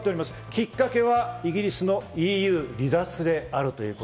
きっかけはイギリスのＥＵ離脱である。